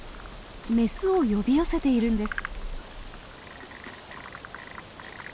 メスを呼び寄せているんです。